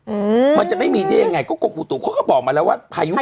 อืมมันจะได้มีที่ยังไงก็กลบประตูเขาก็บอกมาแล้วว่าทายุเข้า